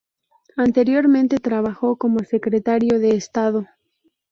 Anteriormente trabajó como secretario de estado.